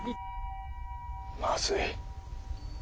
まずい。